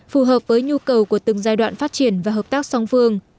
phù hợp với nhu cầu của từng giai đoạn phát triển và hợp tác song phương